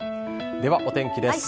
では、お天気です。